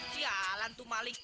sialan tuh malik